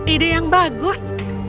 ide yang bagus